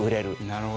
なるほど。